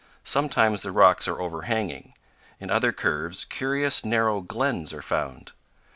Sometimes the rocks are overhanging; in other curves, curious, narrow glens are found.